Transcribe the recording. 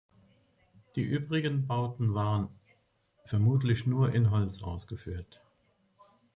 Die übrigen Bauten waren vermutlich nur in Holz ausgeführt.